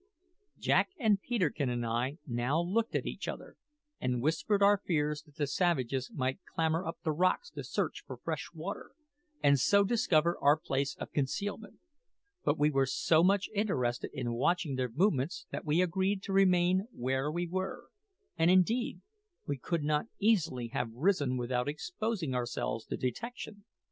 Jack and Peterkin and I now looked at each other, and whispered our fears that the savages might clamber up the rocks to search for fresh water, and so discover our place of concealment; but we were so much interested in watching their movements that we agreed to remain where we were and indeed we could not easily have risen without exposing ourselves to detection.